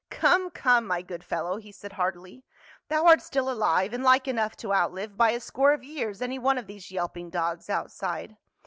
" Come, come, my good fellow," he said heartily, " thou art still alive, and like enough to outlive by a score of years any one of these yelping dogs outside.